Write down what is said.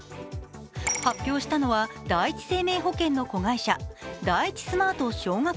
発表したのは第一生命保険の子会社、第一スマート少額